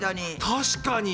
確かに。